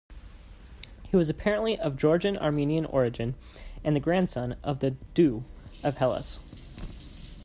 He was apparently of Georgian-Armenian origin and the grandson of the "doux" of Hellas.